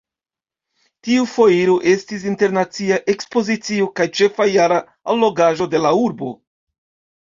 Tiu Foiro estis internacia ekspozicio kaj ĉefa jara allogaĵo de la urbo.